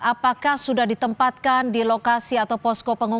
apakah sudah ditempatkan di lokasi atau posko pengungsi